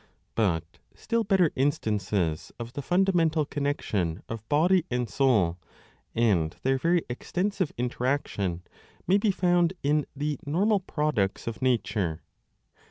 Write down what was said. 2 But still better instances of the fundamental connexion of body and soul and their very extensive interaction may be found 10 in the normal products of nature.